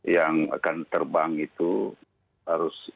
yang akan terbang itu harus